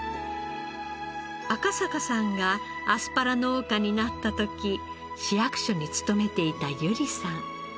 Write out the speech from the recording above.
赤坂さんがアスパラ農家になった時市役所に勤めていた由里さん。